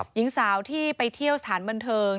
หญิงสาวที่ไปเที่ยวสถานบันเทิง